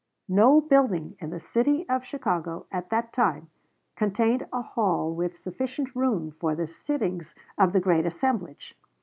No building in the city of Chicago at that time contained a hall with sufficient room for the sittings of the great assemblage.